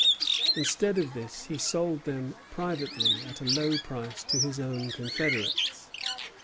Instead of this, he sold them privately at a low price to his own confederates.